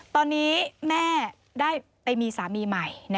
ตอนนี้แม่ได้ไปมีสามีใหม่